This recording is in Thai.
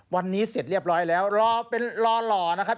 วันนี้เสร็จเรียบร้อยแล้วรอเป็นรอหล่อนะครับ